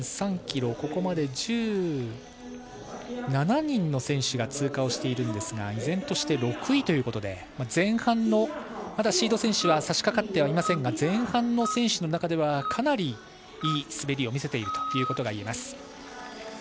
ここまで１７人の選手が通過をしているんですが依然として６位ということでまだシード選手はさしかかってはいませんが前半の選手の中ではかなりいい滑りを見せているといえます。